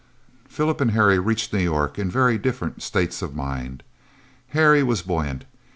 Phillip and Harry reached New York in very different states of mind. Harry was buoyant.